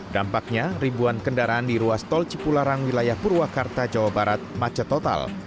dampaknya ribuan kendaraan di ruas tol cipularang wilayah purwakarta jawa barat macet total